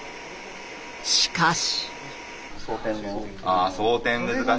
しかし。